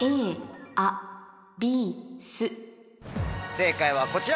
正解はこちら。